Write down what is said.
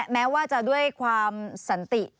แม้ว่าจะด้วยความสันติ